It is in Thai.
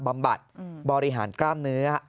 บำบัดบริหารกล้ามเนื้อ